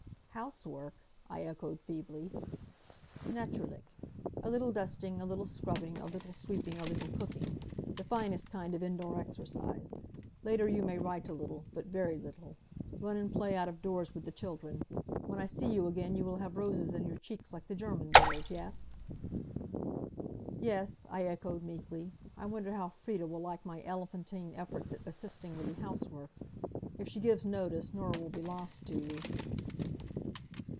"Housework!" I echoed, feebly. "Naturlich. A little dusting, a little scrubbing, a little sweeping, a little cooking. The finest kind of indoor exercise. Later you may write a little but very little. Run and play out of doors with the children. When I see you again you will have roses in your cheeks like the German girls, yes?" "Yes," I echoed, meekly, "I wonder how Frieda will like my elephantine efforts at assisting with the housework. If she gives notice, Norah will be lost to you."